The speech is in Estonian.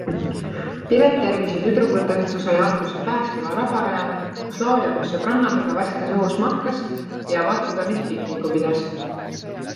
Piret Järvise tüdrukuteõhtu sai alguse Pääsküla rabarajal, kus laulja koos sõbrannadega värskes õhus matkas ja vaatetornis pikniku pidas.